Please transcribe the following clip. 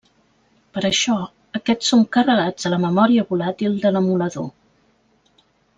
Per això, aquests són carregats a la memòria volàtil de l'emulador.